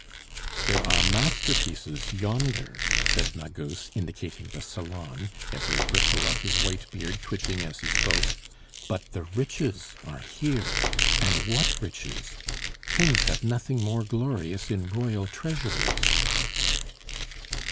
"There are masterpieces yonder!" said Magus, indicating the salon, every bristle of his white beard twitching as he spoke. "But the riches are here! And what riches! Kings have nothing more glorious in royal treasuries."